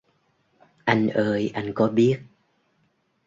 Anh ơi anh có biết